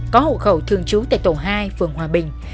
có hộ khẩu thường trú tại tổ hai phường hòa bình